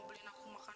mana aku tahu